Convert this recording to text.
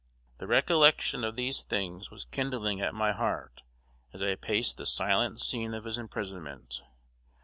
The recollection of these things was kindling at my heart, as I paced the silent scene of his imprisonment.